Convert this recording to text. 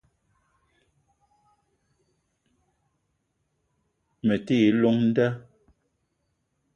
Me te yi llong nda